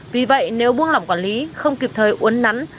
vì vậy nếu buông lỏng quản lý không kịp thời uốn nắn